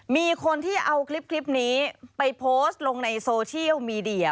มีคนที่เอาคลิปนี้ไปโพสต์ลงในโซเชียลมีเดีย